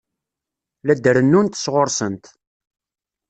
La d-rennunt sɣur-sent.